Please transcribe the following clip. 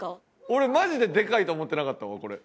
俺マジででかいと思ってなかったわこれ。